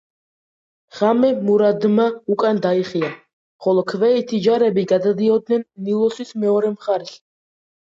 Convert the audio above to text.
ღამე მურადმა უკან დაიხია, ხოლო ქვეითი ჯარები გადადიოდნენ ნილოსის მეორე მხარეს.